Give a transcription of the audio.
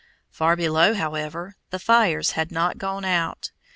Far below, however, the fires had not gone out.